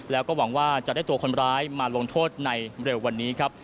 แล้วก็หวังว่าจะได้ตัวคนร้ายมาลงโทษในเร็ววันนี้ครับ